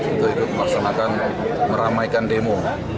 itu itu maksudnya akan meramaikan demo